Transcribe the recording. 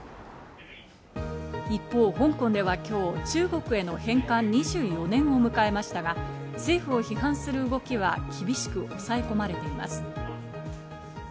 一方、香港では今日、中国への返還２４年を迎えましたが、政府を批判する動きは厳しく抑え込まれています。